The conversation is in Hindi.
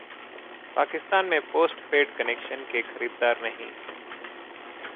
पाकिस्तान में पोस्ट पेड कनेक्शन के खरीददार नहीं